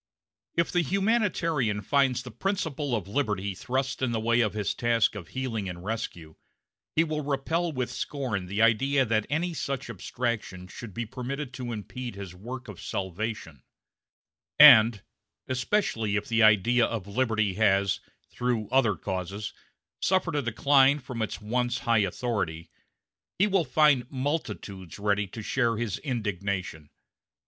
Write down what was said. If the humanitarian finds the principle of liberty thrust in the way of his task of healing and rescue, he will repel with scorn the idea that any such abstraction should be permitted to impede his work of salvation; and especially if the idea of liberty has, through other causes, suffered a decline from its once high authority he will find multitudes ready to share his indignation.